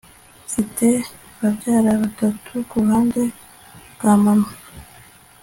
Mfite babyara batatu kuruhande rwa mama